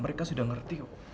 mereka sudah ngerti